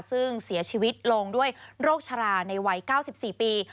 ซึ่งเสียชีวิตลงด้วยโรคชราในวัย๙๔ปี